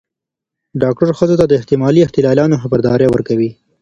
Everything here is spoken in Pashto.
ډاکتران ښځو ته د احتمالي اختلالاتو خبرداری ورکوي.